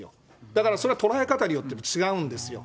だからそれは捉え方によって、違うんですよ。